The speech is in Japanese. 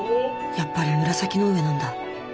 やっぱり紫の上なんだ。